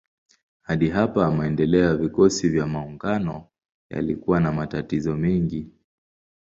Hadi hapa maendeleo ya vikosi vya maungano yalikuwa na matatizo mengi.